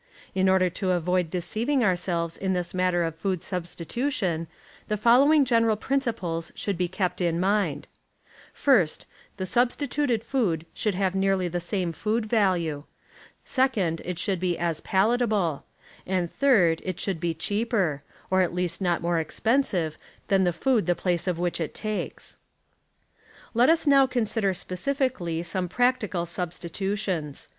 In order to avoid deceiving ourselves in this matter of food substitution the following general principles should be kept, in mind: First, the substituted food should have nearly the same food value; second, it should be as palatable; and third, it should be cheaper, or at least not more expensive than the food the place of which it takes. Let us now consider specifically some practical substitutions.